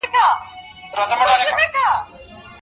سياسي قدرت بايد د ناوړه موخو له پاره ونه کارول سي.